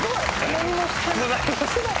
何もしてない。